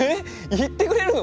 言ってくれるの？